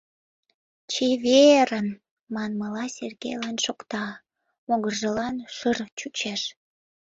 «Чеве-е-ерын!» манмыла Сергейлан шокта, могыржылан шыр-р чучеш.